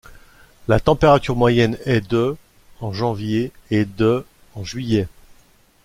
La température moyenne est de en janvier et de en juillet.